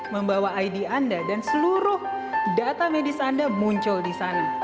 membawa id anda dan seluruh data medis anda muncul di sana